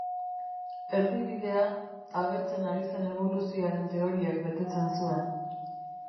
Erdibidea, agertzen ari zen eboluzioaren teoriak betetzen zuen.